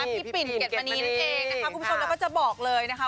พี่ปินเกดมานีนั่นเองคุณผู้ชมเราจะบอกเลยนะคะ